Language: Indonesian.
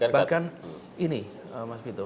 bahkan ini mas fito